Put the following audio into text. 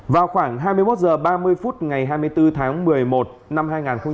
vào khoảng hai mươi một h ba mươi phút ngày hai mươi bốn tháng một mươi một năm hai nghìn hai mươi